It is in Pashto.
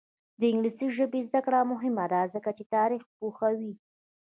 د انګلیسي ژبې زده کړه مهمه ده ځکه چې تاریخ پوهوي.